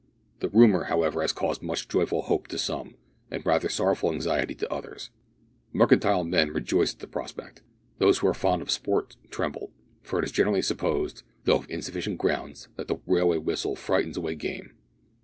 The rumour, however, has caused much joyful hope to some, and rather sorrowful anxiety to others. Mercantile men rejoice at the prospect. Those who are fond of sport tremble, for it is generally supposed, though on insufficient grounds, that the railway whistle frightens away game.